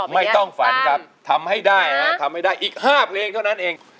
ไม่ต้องฝันครับทำให้ได้อีก๕เพลงเท่านั้นเอง